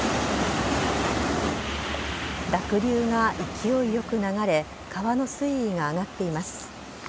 濁流が勢いよく流れ川の水位が上がっています。